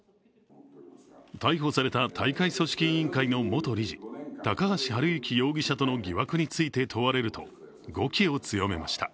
逮捕された大会組織委員会の元理事、高橋治之容疑者との疑惑について問われると語気を強めました。